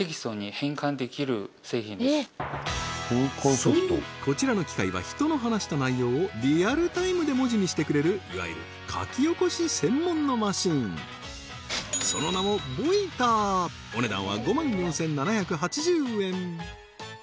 そうこちらの機械は人の話した内容をリアルタイムで文字にしてくれるいわゆる書き起こし専門のマシンその名も「ＶＯＩＴＥＲ」お値段は５万４７８０円